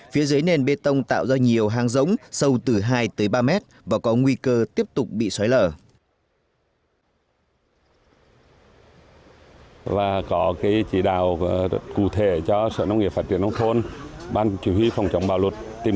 phía dưới nền bê tông tạo ra nhiều hang rống sâu từ hai ba m và có nguy cơ tiếp tục bị xoáy lở